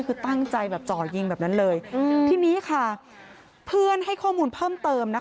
คือตั้งใจแบบจ่อยิงแบบนั้นเลยทีนี้ค่ะเพื่อนให้ข้อมูลเพิ่มเติมนะคะ